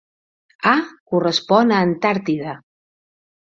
"A" correspon a Antàrtida.